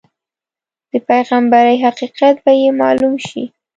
د پیغمبرۍ حقیقت به یې معلوم شي.